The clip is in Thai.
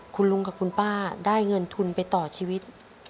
คุณลุงกับคุณป้าได้เงินทุนไปต่อชีวิต